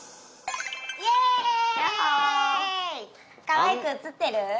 かわいく写ってる？